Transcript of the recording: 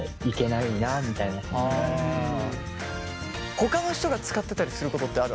ほかの人が使ってたりすることってある？